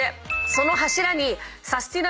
その柱にサスティな！